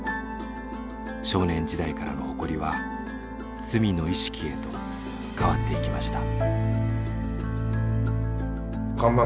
少年時代からの誇りは罪の意識へと変わっていきました。